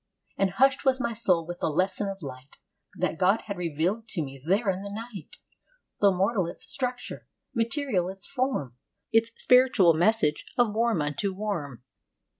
And hushed was my soul with the lesson of light That God had revealed to me there in the night: Though mortal its structure, material its form, The spiritual message of worm unto worm.